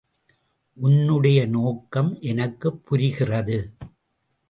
உன்னுடைய நோக்கம் எனக்குப் புரிகிறது.